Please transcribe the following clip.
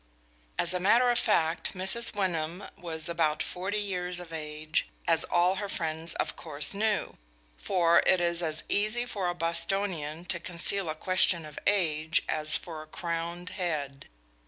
As a matter of fact, Mrs. Wyndham was about forty years of age, as all her friends of course knew; for it is as easy for a Bostonian to conceal a question of age as for a crowned head.